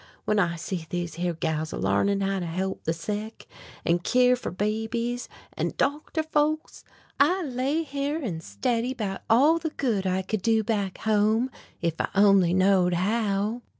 When I see these here gals a larnin' how to holp the sick, an' keer fer babies, an' doctor folks, I lay here an' steddy 'bout all the good I could do back home ef I only knowed how."